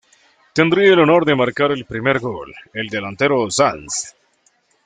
Tendría el honor de marcar el primer gol, el delantero Sanz.